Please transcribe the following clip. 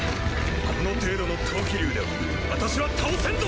この程度の闘気流では私は倒せんぞ！